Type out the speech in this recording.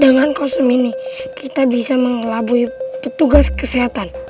dengan kostum ini kita bisa mengelabui petugas kesehatan